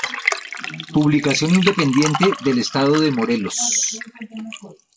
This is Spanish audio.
Publicación independiente del Estado de Morelos.